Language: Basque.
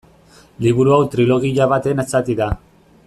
Liburu hau trilogia baten zati da.